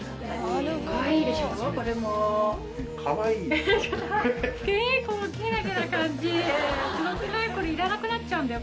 これいらなくなっちゃうんだよ